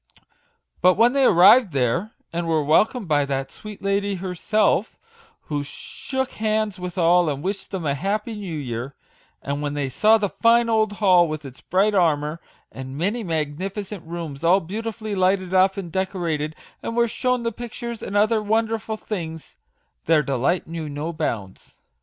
But when they arrived there, and were welcomed by that sweet lady herself, who shook hands with all, and wished them a happy new year; and when they saw the fine old hall with its bright armour, and many magnificent rooms all beautifully lighted up and decorated, and were shown the pictures and other won derful things, their delight knew no bounds.